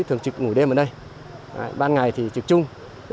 thường trực ngủ đêm ở đây ban ngày thì trực chung